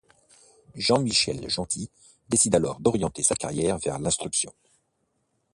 Jean-Michel Gentil décide alors d'orienter sa carrière vers l'instruction.